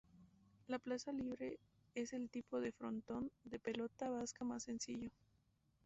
La plaza libre es el tipo de frontón de pelota vasca más sencillo.